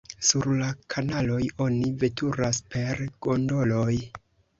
Sur la kanaloj oni veturas per gondoloj.